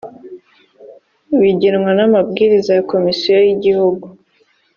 bigenwa n amabwiriza ya komisiyo y igihugu